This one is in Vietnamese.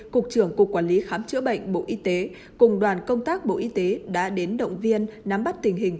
cục trưởng cục quản lý khám chữa bệnh bộ y tế cùng đoàn công tác bộ y tế đã đến động viên nắm bắt tình hình